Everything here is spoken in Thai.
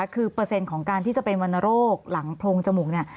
คือเปอร์เซ็นต์ของการที่จะเป็นวรรณโรคหลังโพรงจมูกเนี่ย